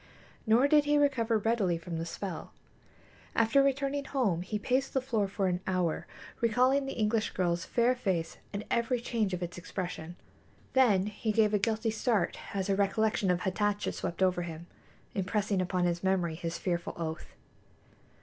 Nor did he recover readily from the spell. After returning home he paced the floor for an hour, recalling the English girl's fair face and every change of its expression. Then he gave a guilty start as a recollection of Hatatcha swept over him, impressing upon his memory his fearful oath.